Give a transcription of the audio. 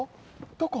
どこ？